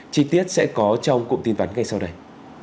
chi tiết sẽ có trong cụm tin vắn ngay sau đây